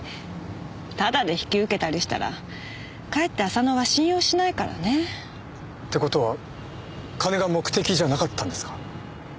ただで引き受けたりしたらかえって浅野は信用しないからね。って事は金が目的じゃなかったんですか？